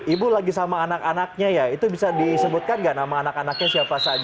ibu lagi sama anak anaknya ya itu bisa disebutkan nggak nama anak anaknya siapa saja